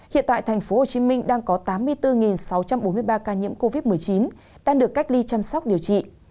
hiện tại tp hcm đang có tám mươi bốn sáu trăm bốn mươi ba ca nhiễm covid một mươi chín đang được cách ly chăm sóc điều trị